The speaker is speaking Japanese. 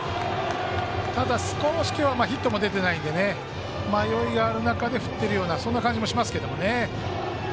ただ、少し今日はヒットも出てないので迷いがある中で振っているようなそんな感じもしますけどね。